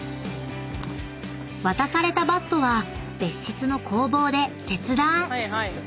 ［渡されたバットは別室の工房で切断］